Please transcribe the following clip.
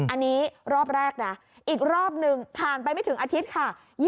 อันนี้รอบแรกนะอีกรอบหนึ่งผ่านไปไม่ถึงอาทิตย์ค่ะ